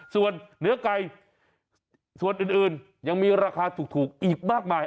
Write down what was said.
ส่วนเนื้อไก่ส่วนอื่นยังมีราคาถูกอีกมากมาย